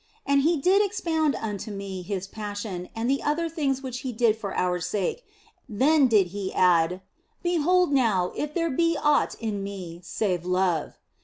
And He did expound unto me His Passion and the other things which He did for our sake ; then He did add, " Behold now, if there be aught in Me save love."